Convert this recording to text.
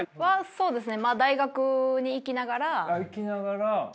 そうですね。